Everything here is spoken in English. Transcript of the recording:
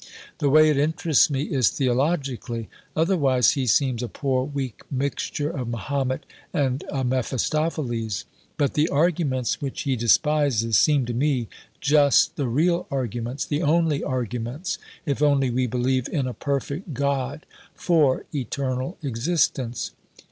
The way it interests me is theologically. Otherwise he seems a poor weak mixture of Mahomet and a Mephistopheles. But the arguments which he despises seem to me just the real arguments, the only arguments, if only we believe in a Perfect God, for eternal existence.